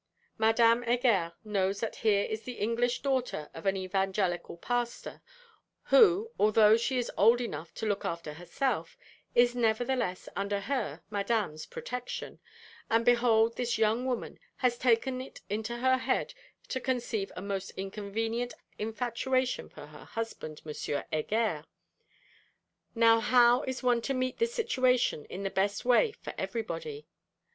Madame Heger knows that here is the English daughter of an Evangelical Pastor, who (although she is old enough to look after herself), is nevertheless under her (Madame's) protection, and behold this young woman has taken it into her head to conceive a most inconvenient infatuation for her husband, M. Heger! Now how is one to meet this situation in the best way for everybody?